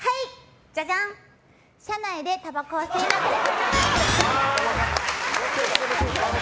車内でたばこを吸いまくる！